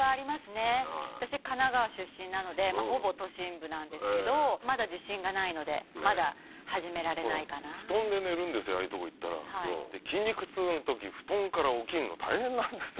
神奈川出身なのでほぼ都心部なんですけどまだ自信がないのでまだ始められないかな布団で寝るんですよああいうとこ行ったらで筋肉痛のとき布団から起きんの大変なんですよ